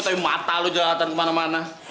tapi mata lo jelalatan kemana mana